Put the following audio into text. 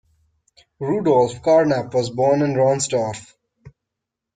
Rudolf Carnap was born in Ronsdorf.